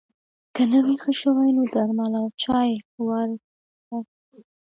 که نه وي ښه شوی نو درمل او چای ور وړه